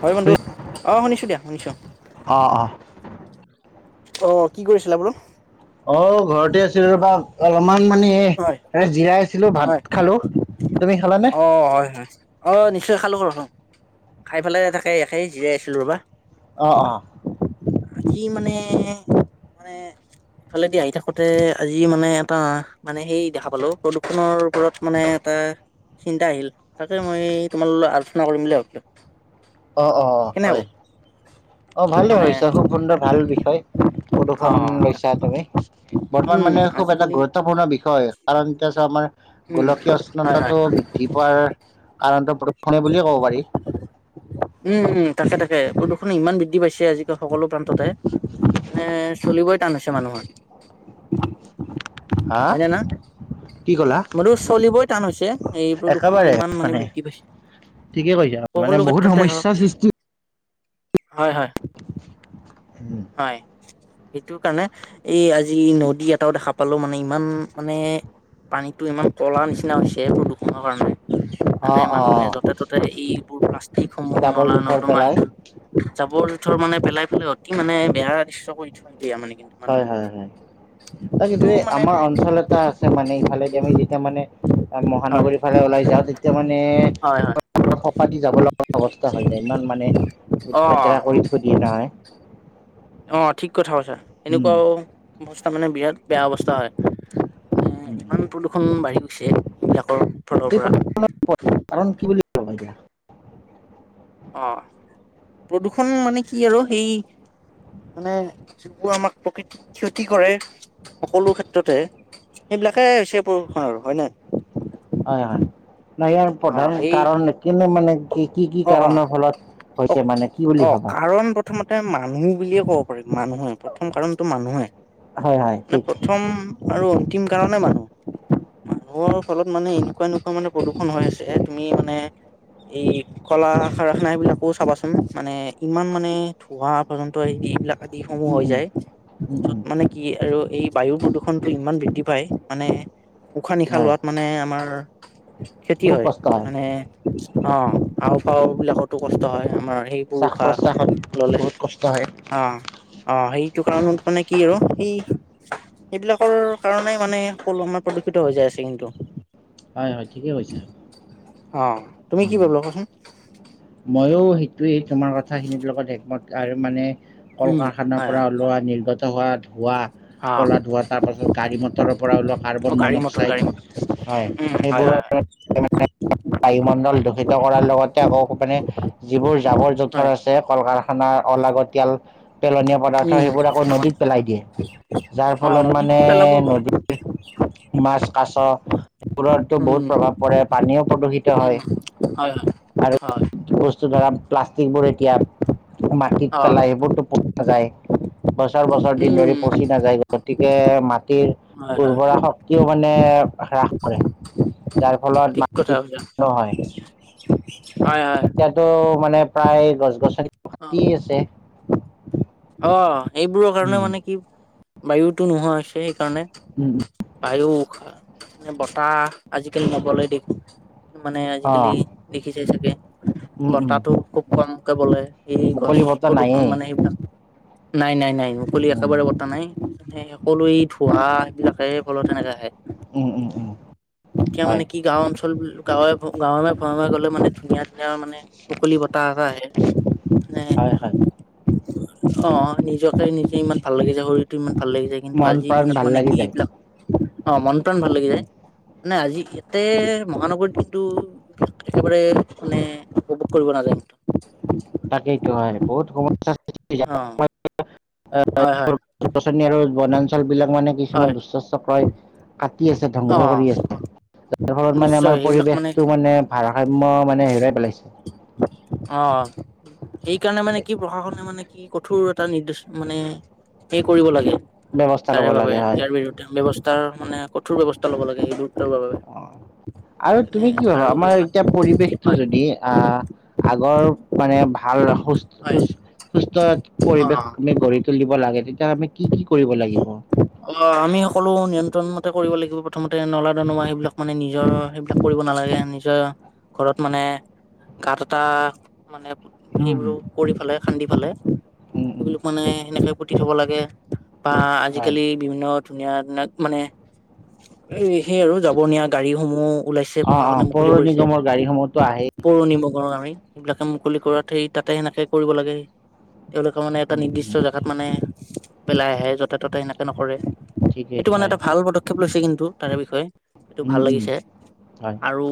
হয় বন্ধু অ আহ শুনিছো দিয়া শুনিছো। অ অ' কি কৰিছিলা বোলো? অ' ঘৰতে আছিলো ৰবা অলপমান মানে এ হয় জিৰাই আছিলো ভাত হয় খালোঁ। অ', হয় হয়। অ' নিশ্চিয় খালোঁ ৰচোন খাই পেলাই তাকেই জিৰাই আছিলোঁ ৰ'বা। অ' অ'। আজি মানে মানে। ইফালেদি আহি থাকোতে আজি মানে এটা মানে সেই দেখা পালো প্ৰদূষণৰ ওপৰত মানে এটা। এটা চিন্তা আহিল তাকে মই তোমাল লগ আলোচনা কৰিম বুলি ভাবিলো। অঁ অঁ কেনে হ'ব হয় অঁ ভালেই মানে ভাবিছ খুব সুন্দৰ ভাল বিষয় অ কদোখন লৈছা তুমি বৰ্তমান উম মানে খুব এটা আজিকালি গুৰুত্বপূৰ্ণ বিষয় কাৰণ এতিয়া আমাৰ উম গোলকীয় হয় হয় উষ্ণতাটো বৃদ্ধি পোৱাৰ কাৰণটো প্ৰদূষণীয় বুলিয়েই ক'ব পাৰি। উম তাকে তাকে প্ৰদূষণ ইমান বৃদ্ধি পাইছে আজিালি সকলো প্ৰান্ত মান চলিবই টান আ হৈছে মানুহৰ। হা কি ক'লা মানু চলিবই টান হৈছে। এই প্ৰদূষণৰ ইমান মানে বৃত্তি ঠিকে কৈছা মানে সকলো বহুত ক্ষেত্ৰতে হওঁক। সমস্যাৰ সৃষ্টি হয় হয়। হয়। সেইটো কাৰণে এই আজি নদী এটাও দেখা পালো মানে ইমান মানে পানীতটো ইমান কলা নিচিনা হৈছে প্ৰদূষণৰ কাৰণে অ মানে অ মানুহে য'তে ত'তে এইবোৰ প্লাষ্টিক সমূহো জাবৰ জোথৰ নলা-নদমা পেলাই জাবৰ জোথৰ মানে পেলাই পেলাই অতি মানে বেয়া দৃশ্য কৰি থৈ দয়া মানে কিন্তু মানুহে ত কিন্তু এই আমাৰ অঞ্চল এটা আছে মানে ইফালেদি আমি যেতিয়া মানে হয় মহানগৰীৰ ফালে ওলাই যাওঁ তেতিয়া মানে। হয় হয় ফপা দি যাব লগা অৱস্থা হৈ যায়। ইমান মানে অ লেতেৰা কৰি থৈ দিয়ে নহয়। অঁ ঠিক কথা কৈছা উম এনেকুৱাও অৱস্থা মানে বিৰাট বেয়া অৱস্থা হয়। উম এ ইমান প্ৰদূষণ বাঢ়ি গৈছে। সেইবিলাকৰ ফালৰ পৰা দবাই দিয়া অ' প্ৰদূষণ মানে কি আৰু সেই মানে যিবোৰ আমাক প্ৰকৃতিক ক্ষতি কৰে, সকলোক্ষেত্ৰতে সেইবিলাকে হৈছে প্ৰদূষণ আৰু, হয় নাই? হয় হয়। না ইয়াৰ অ প্ৰধান এই কাৰণ কিনো মানে কি কি কি অ' অ', কাৰণৰ ফলত অ হৈছে মানে কি বুলি অ ভাবা কাৰণ প্ৰথমতে এ মানুহ বুলিয়ে ক'ব পাৰিম, মানুহ। প্ৰথম কাৰণটো মানুহে হয় হয় মানে ঠিক প্ৰথম আৰু অন্তিম কাৰনে মানুহ মানুহৰ ফলত মানে এনেকুৱা এনেকুৱা মানে প্ৰদূষণ হৈ আছে। তুমি মানে এই কলা-কাৰখানা এইবিলাকো চাবাচোন মানে ইমান মানে, ধোৱা পৰ্যন্ত সেই এইবিলাক আদি সমূহ উম হৈ উম যায়, উম উম মানে কি আৰু এই বায়ু প্ৰদূষণটো ইমান বৃদ্ধি পায়, মানে উশাহ-নিশাহ হয় লোৱাত মানে আমাৰ ক্ষতি খুব হয়। কষ্ট মানে অ' হাওঁফাওঁবিলাকতো কষ্ট হয়। আমাৰ সেই শ্বাস উশাহ প্ৰশ্বাসত ল'লে। বহুত কষ্ট হয় অ'। অ সেইটো কাৰণত মানে কি আৰু সেই এইবিলাকৰ কাৰণে মানে সকলো আমাৰ প্ৰদূষিত হৈ যায় আছে কিন্তু। হয় হয় ঠিকে কৈছা অ তুমি কি ভাবিলা কোৱাচোন মইয়ো সেইটোৱেই তোমাৰ কথাখিনিৰ লগত একমত আৰু মানে কল উম কাৰখানাৰ হয় পৰা হয় ওলোৱা নিৰ্গত হোৱা ধোৱা অ ক'লা ধোৱা তাৰ পাছত গাড়ী মটৰৰ পৰা ওলোৱা অ কাৰ্বন গাড়ী মটৰ গাড়ী মনক্সাইড মটৰ হয় সেইবোৰৰ [unintelligible] উ বায়ু মণ্ডল দূষিত কৰাৰ লগতে আকৌ মানে যিবোৰ জাবৰ হয় জোথৰ আছে কল কাৰখানাৰ অলাগতিয়াল পেলনীয়া পদাৰ্থ উম সেইবোৰ আকৌ নদীত পেলাই দিয়ে। যাৰ অ ফলত নদীত মানে পেলাব নদীৰ মাছ কাছ এইবোৰত বহুত উম প্ৰভাৱ পৰে পানীও প্ৰদূষিত হয় হয় আৰু হয় বস্তু ধৰা প্লাষ্টিক বোৰ এতিয়া মাটিত অ পেলাই সেইবোৰটো পচি নাযায়। বছৰ বছৰ দিন ধৰি উম পচি নাযায় গতিকে মাত হয় হয় উৰ্বৰা শক্তিও মানে হ্ৰাস কৰে যাৰ ঠিক কথা কৈছা নহয় হয় হয় এতিয়াতো মানে প্ৰায় গছ গছনি অ কাটিয়ে আছে অ এইবোৰৰ কাৰণে উম, মানে কি বায়ুতো নোহোৱা হৈছে সেইকাৰণে উম, উম, বায়ু উষাহ মে বতাহ আজিকালি নবলে দেখো মানে অ আজিকালি দেখি চাই চাগে উম উম বতাটো খুব কমকে বলে এই গছ মুকলি বতাহ প্ৰদূষণ নায়েই মানে এইবিলাক নাই নাই নাই নাই মুকলি উম, একেবাৰে বতা নাই সকলো ধোঁৱা সেইবিলাকে ফলত সেনেকে আহে উম, উম, উম, এতিয়া হয় মানে কি গাঁও অঞ্চল গাঁৱে গাঁৱ গ'লে মানে ধুনীয়া ধুনীয়া মানে মুকলি বতাহ এটা আহে মানে হয় হয় অ নিজকে নিজে ইমান ভাল লাগিছে শৰীৰটো ইমান ভাল লাগি যায় কিন্তু মন আজিৰ প্ৰাণ দিনত ভাল মানে লাগি কি যায় এইবিলাক অ মন টন ভাল লাগি উম, যায় মানে আজি ইয়াতে মহানগৰীত কিন্তু একেবাৰে মানে বুক কৰিব নাযায় কিন্তু। তাকেইটো হয় বহুত সমস্যা অ হয় আৰু হয় গছ গছনি আৰু বনাঞ্চল বিলাক মানে মানে হয় কিছুমান দুষ্ট চক্ৰই কাটি আছে অ ধ্বংস কৰি আছে তাৰ ফলত মানে নিশ্চয় আমাৰ সেইবিলাক পৰিৱেশটো মানে ভাৰসাম্য মানে হেৰুৱাই পেলাইছে অ সেইকাৰণে মানে কি প্ৰশাসনে মানে কি কঠোৰ এটা নিৰ্দেশ মানে হে কৰিব লাগে। ব্যৱস্থা তাৰে ল'ব বাবে লাগে। হয়। ইয়াৰ বিৰুদ্ধে ব্যৱস্থাৰ মানে কঠোৰ ব্যৱস্থা লব লাগে এইটো অ'। আৰু তুমি কি ভাবা? আৰু আমাৰ এতিয়া পৰিৱেশটো হয় যদি অ' আগৰ মানে ভাল হুচ হয় হুচ সুস্থ এক অ পৰিৱেশ আমি গঢ়ি তুলিব লাগে। তে অ' আমি সকলো নিয়ন্ত্ৰণ টা কৰিব লাগিব। প্ৰথমতে নলা-নৰ্দমা সেইবিলাক মানে নিজৰ সেইবিলাক কৰিব নালাগে। নিজ ঘৰত মানে গাত এটা মানে উম, সেইবোৰো কৰি পেলাই, খান্দি ফালে, উম, উম, সেইটোক মানে সেনেকে পুতি থ'ব লাগে। বা হয়। আজিকালি বিভিন্ন ধুনীয়া ধুনাক মানে, এই সেই আৰু যাব নিয়া গাড়ীসমূহ ওলাইছে অ', প্ৰশাসনে অ', মুকলি পৌৰ কৰিছে নিগমৰ গাড়ীসমূহতো আহেই। পৌৰনিগম। [unintelligible] সেইবিলাকে মুকলি কৰাত সেই তাতে সেনেকে কৰিব লাগে। তেওঁলোকে মানে এটা উম, নিৰ্দিষ্ট উম, জেগাত মানে পেলাই আহে য'তে ত'তে এনেকে নকৰে, ঠিকেই এইটো মানে হয়। এটা ভাল পদক্ষেপ লৈছে কিন্তু তাৰে বৃ বিষয় সেইটো উম, ভাল উম, লাগিছে হয়। আৰু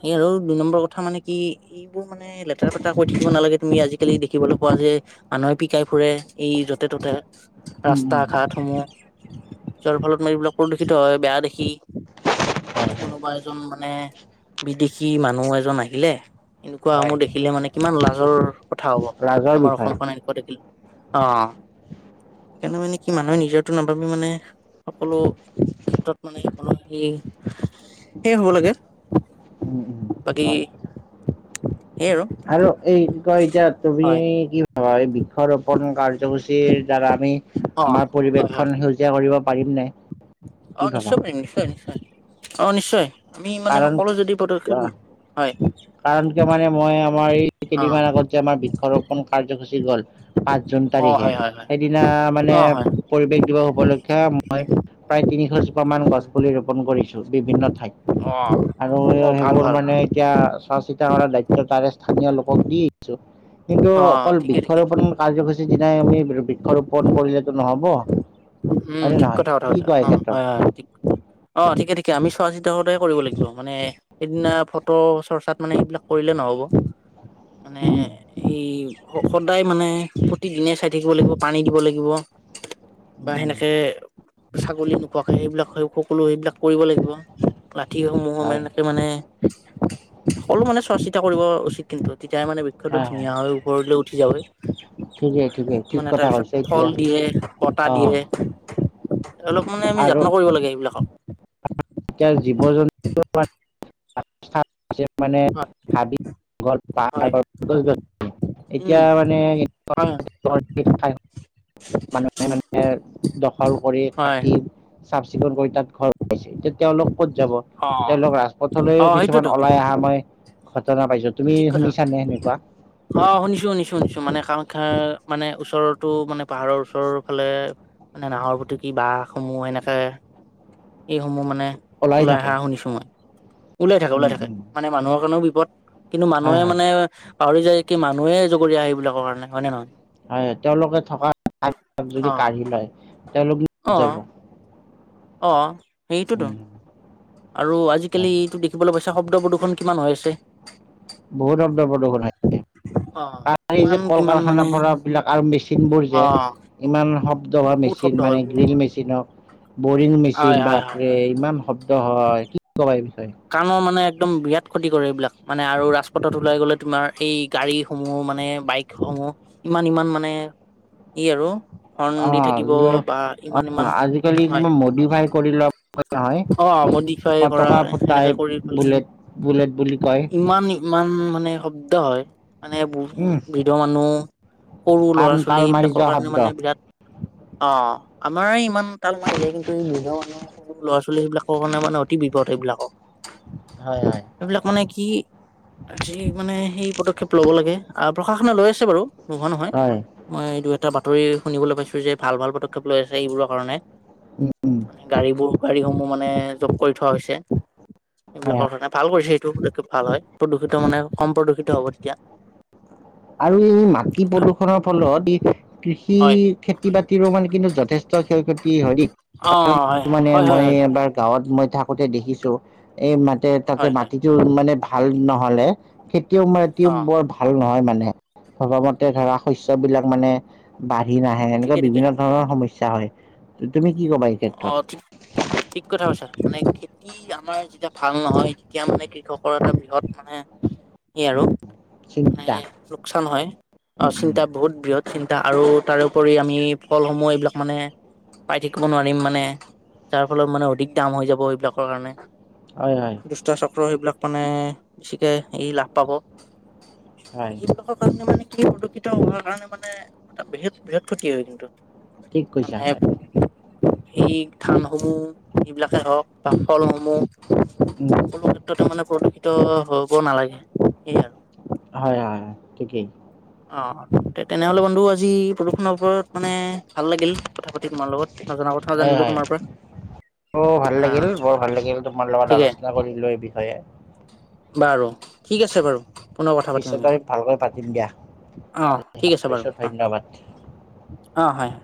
সেই আৰু দুই নম্বৰ কথা মানে কি, এইবোৰ মানে লেতেৰা-পেটেৰা কৈ থাকিব নালাগে। তুমি আজিকালি দেখিবলৈ পোৱা যে আনৈ পিকাই ফুৰে, এই য'তে-ত'তে উম, ৰাস্তা উম, ঘাটসমূহ যৰ ফলত মাৰ এইবিলাক প্ৰদূষিত হয় বেয়া দেখ কি, হয়, এতিয়া হয়, কোনোবা এজন মানে বিদেশী মানুহ এজন আহিলে এনেকুৱা হয়। মোৰ দেখিলে মানে কিমান লাজৰ কথা হব, লাজৰ আমাৰ বিষয়। অসমখনে এনেকুৱা দেখিল অ। সেইকাৰণে মানে কি মানুহে নিজৰটো নাভাবি মানে সকলো ক্ষেত্ৰত মানে হে উম - উম, বাকী হয়। আৰু এই কি কয়, এতিয়া তুমি হয় কি হয়, বৃক্ষ ৰোপন কাৰ্যসূচীৰ দ্বাৰা আমি অ আমাৰ হয় পৰিৱেশখন হয় সেউজীয়া কৰিব পাৰিম নে? কি অ ভাবা নিশ্চয় পাৰিম নিশ্চয় নিশ্চয় অ নিশ্চয়। আমি মানে কাৰণ সকলো যদি পদক্ষেপ আহ হয় কাৰণ কিয় মানে মই আমাৰ এই অ কেইদিনমান আগত যে আমাৰ বৃক্ষৰোপণ কাৰ্যসূচী গ'ল পাঁচ জুন অ তাৰিখে হয় হয় হয় সেইদিনা মানে অ হয় পৰিৱেশ দিৱস উপলক্ষে মই প্ৰায় তিনিশজোপা মান গছ পুলি ৰোপন কৰিছো বিভিন্ন ঠাইত। অ আৰু অ ভাল সেইবোৰ ভাল মানে এতিয়া চোৱা -চিতা কৰাৰ দায়িত্ব তাৰে স্থানীয় লোকক দি আহিছোঁ। কিন্তু অ অকল ঠিকে ঠিকে বৃক্ষৰোপন কাৰ্যসূচীৰ দিনাই আমি বৃক্ষৰোপন কৰিলে তোন হব। উম, ঠিক কথা - কথা কৈছা। অ' হয় - হয়, ঠিক কথা। অ' ঠিকে - ঠিকে, আমি চোৱাচিতাতে কৰিব লাগিব মানে সেইদিনা ফটো চৰ্চাত মানে এইবিলাক কৰিলে নহব। মানে উম দি সদায় মানে প্ৰতিদিনে চাই থাকিব লাগিব, পানী দিব লাগিব। বা উম সেনেকে ছাগলী নোপোৱাকে সেইবিলাক সকলো সেইবিলাক কৰিব লাগিব। লাঠিসমূহৰ হয় মেনকে মানে সকলো মানে চোৱা -চিতা কৰিব উচিত কিন্তু তেতিয়াহে মানে বৃক্ষটো হয় হয়। ধুনীয়া হৈ ওপৰলৈ উঠি যাবই। ঠিকেই ঠিকেই ঠিক মানে কথা তাৰপিছত কৈছে ফল এতিয়া দিয়ে, বতাহ অ দিয়ে। তেওঁলোকক মানে আমি আৰু যত্ন কৰিব লাগে এইবিলাকক। এতিয়া জীৱ জন্তু [inaudible] মানে হয় হাবি [inaudible] পাৰ হয় গছ- গছ এতিয়া উম হয় মানেকুৱ [inaudible] [unintelligible] মানুহে মানে দখল কৰি হয় কাটি চাফ- চিকুণ কৰি তাত ঘৰ পাইছে এতিয়া তেওঁলোক ক'ত যাব অ তেওঁলোক অ ৰাজপথলৈও কিছুমান সেইটোতো ওলাই অহা মই ঘটনা পাইছো তুমি ঠিক কথা। শুনিছানে সেনেকুৱা অ' শুনিছোঁ - শুনিছোঁ - শুনিছোঁ মানে কাৰ শিক্ষা মানে ওচৰতো মানে পাহাৰৰ ওচৰৰ ফালে মানে নাহৰফুটুকী বাঘসমূহ এনেকে এইসমূহ মানে ওলাই অহা শুনিছো মই, ওলাই থাকে ওলাই উম থাকে উম মানে মানুহৰ কাৰণেও বি পদ কিন্তু হয় মানুহে হয় মানে পাহৰি যায় কি মানুহে জগৰীয়া সেইবিলাকৰ কাৰণে হয় নে নহয়? হয় তেওঁলোকে থকাক যদি অ কাঢ়ি লয় তেওঁলোকে অ যাব। অ সেইটোতো, উম আৰু আজিকালি হয় এইটো দেখিবলৈ পাইছে শব দ প্ৰদূষণ কিমান হৈ আছে? বহুত শব্দ প্ৰদূষণ হৈ অ আছে। এই যে কিমান কল কিমান মানে কাৰখানাৰ পৰা বিলাক আৰু মেচিনবোৰ অ যে ইমান শব্দ বা বহুত শব্দ মেচিন হয় মানে বহুত গ্ৰীল মেচিনক বৰিং হয় মেচিন হয় হয় বাপৰে ইমান শব্দ হয় কি কবা বিষয়ে কাণৰ মানে একদম বিৰাট ক্ষতি কৰে এইবিলাক মানে আৰু ৰাজপথত ওলাই গ'লে তোমাৰ এই গাড়ীসমূহ মানে বাইকস মূহ ইমান ইমান মানে ই আৰু হৰ্ণ অ দি থাকিব য- বা ইমান ইমান আজিকালি হয় মডিফাই কৰি লোৱা নহয় অ। মডিফাই কৰা পতকা ফুটাই সেনেকে কৰি পেল, বুলেট বুলেট বুলি কয় ইমান ইমান মানে শব্দ হয়। মানে উম বৃদ্ধ মানুহ, সৰু কাণ ল'ৰা -ছোৱালী তাল মাৰি সেইবিলাকৰ যোৱা কাৰণে শব্দ মানে বিৰাট অ। আমাৰে ইমান তাল মাৰি যায় কিন্তু এই বৃদ্ধৰ মানুহৰ সৰু ল'ৰা ছোৱালীবিলাকৰ কাৰণে মানে অতি বিপদ এইবিলাকক। হয় হয় সেইবিলাক মানে কি আজি মানে সেই পদক্ষেপ লব লাগে আহ প্ৰশাসনে লৈ আছে বাৰু। নোলোৱা নহয় হয় মই এই দু এটা বা তৰি শুনিবলৈ পাইছো যে ভাল ভাল পদক্ষেপ লৈ আছে এইবোৰৰ কাৰণে। উম, মানে গাড়ীবোৰ গাড়ীসমূহ মানে যোগ কৰি থোৱা হৈছে। হয় এইবিলাকৰ হয় কাৰণে ভাল কৰিছে সেইটো ভাল হয় প্ৰদূষিত মানে কম প্ৰদূষিত হ'ব তেতিয়া আৰু এই মাটি প্ৰদূষনৰ ফলত ই কৃষি হয় খেতি বাতিৰো মানে কিন্তু যথেষ্ট ক্ষ ক্ষতি হয় অ কাৰ মানে হয় হয় হয় মই এবাৰ গাঁৱত মই থাকোতে দেখিছো, এই মাতে তাতে হয় হয় হয় মাটিটো মানে ভাল নহলে খে তোৰ মাটি অ বৰ ভাল নহয় মানে ভবা মতে ধৰা শস্যবিলাক মানে বা সি নাহে এনেকুৱা ঠিকে ঠিকে বিভিন্ন ধৰণৰ সমস্যা হয় তুমি কি ক'বা এই অ ক্ষেত্ৰত ঠিক ঠিক কথা কৈছা মানে কি আমাৰ যেতিয়া ভাল নহয় তেতিয়া মানে কৃষকৰ এটা বৃহৎ মানে সেই আৰু মানে চিন্তা লোকচান হয়, অ উম, উম, চিন্তা বহুত বৃহৎ চিন্তা আৰু তাৰোপৰি আমি ফলসমূহ এইবিলাক মানে পাই থাকিব নোৱাৰিম মা নে যাৰ ফলত মানে অধিক দাম হৈ যাব সেইবিলাকৰ কাৰণে, হয় হয়। দুষ্ট চক্ৰ সেইবিলাক মানে বেছিকে এই লাভ পাব হয় সেইটো কাষৰ কাৰনে মানে প্ৰদূষিত হোৱাৰ কাৰণে মানে এটা বৃহৎ বৃহৎ ক্ষতি হয় কিন্তু। ঠিক কৈছা মানে হয়। এই ধানসমূহ যিবিলাকে হওঁক বা ফলসমূহ উম। সকলো ক্ষেত্ৰতে মানে প্ৰদূষিত হব নালাগে সেই আৰু। হয় হয় ঠিকেই। অ, তেনেহলে বন্ধু আজি প্ৰদূষণৰ ওপৰত মানে ভাল লাগিল কথা পাতি তোমাৰ লগত নজনা কথাও হয় জানিলো হয়। তোমাৰ পৰা অ ভাল লাগিল অ' বৰ ভাল লাগিল তোমাৰ লগত ঠিকে আলোচনা কৰি লৈ বি বাৰু, ঠিক আছে বাৰু পুনৰ কথা পাতিম পিছত আমি। ভালকৈ পাতিম দিয়া অ ঠিক আছে বাৰু পিছত অ ধন্যবাদ অ হয়।